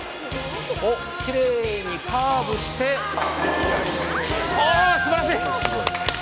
きれいにカーブしてすばらしい！